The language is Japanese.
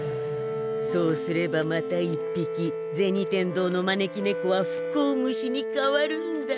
そうすればまた１ぴき銭天堂の招き猫は不幸虫に変わるんだ。